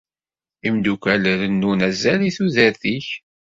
Imeddukkal rennun azal i tudert -ik.